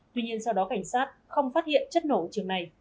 tuy nhiên sau đó cảnh sát không phát hiện chất nổ ở trường này